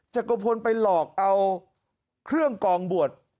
จักรพลไปหลอกเอาเครื่องกองบวช